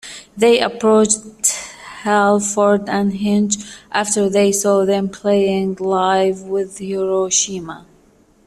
They approached Halford and Hinch after they saw them playing live with Hiroshima.